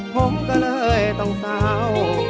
ผมก็เลยต้องเศร้า